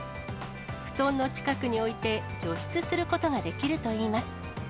布団の近くに置いて、除湿することができるといいます。